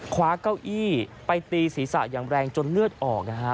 เก้าอี้ไปตีศีรษะอย่างแรงจนเลือดออกนะฮะ